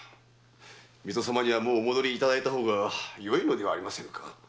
水戸様にはもうお戻りいただいた方がよいのではありませんか？